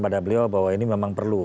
pada beliau bahwa ini memang perlu